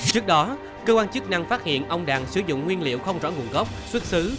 trước đó cơ quan chức năng phát hiện ông đang sử dụng nguyên liệu không rõ nguồn gốc xuất xứ